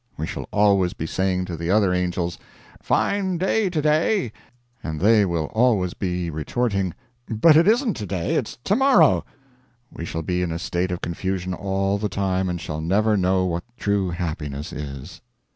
We shall always be saying to the other angels, "Fine day today," and they will be always retorting, "But it isn't to day, it's tomorrow." We shall be in a state of confusion all the time and shall never know what true happiness is.